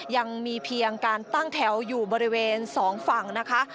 ยังมีเพียงการตั้งแถวอยู่บริเวณสองฝั่งนะคะ